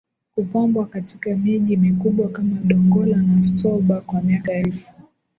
kupambwa katika miji mikubwa kama Dongola na Soba Kwa miaka elfu